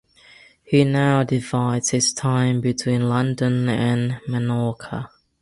He now divides his time between London and Menorca.